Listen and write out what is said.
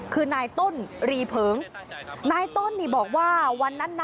คือนายต้นรีเผิงนายต้นนี่บอกว่าวันนั้นนะ